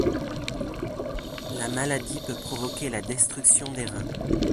La maladie peut provoquer la destruction des reins.